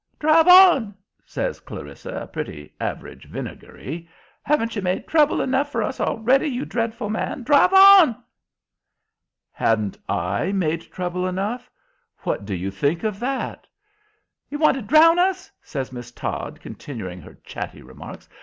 "Drive on!" says Clarissa, pretty average vinegary. "Haven't you made trouble enough for us already, you dreadful man? Drive on!" Hadn't I made trouble enough! What do you think of that? "You want to drown us!" says Miss Todd, continuing her chatty remarks.